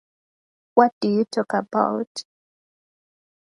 What do you talk about?